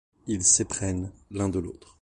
Ils s'éprennent l'un de l'autre...